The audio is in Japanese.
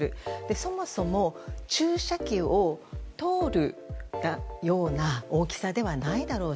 そもそも注射器を通るような大きさではないだろう